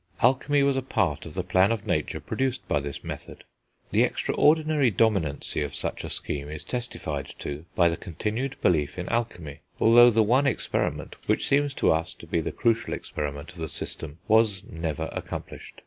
Alchemy was a part of the plan of nature produced by this method. The extraordinary dominancy of such a scheme is testified to by the continued belief in alchemy, although the one experiment, which seems to us to be the crucial experiment of the system, was never accomplished.